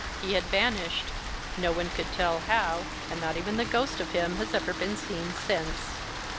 He had vanished, no one could tell how; and not even the ghost of him has ever been seen since.